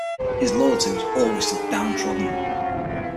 His loyalty was always to the downtrodden.